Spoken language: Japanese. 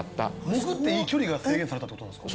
潜っていい距離が制限されたって事なんですか？